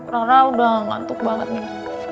rar udah ngantuk banget nih